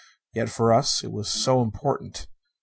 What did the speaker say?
Yet for us, it was so important!